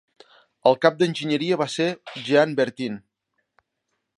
El cap d'enginyeria va ser Jean Bertin.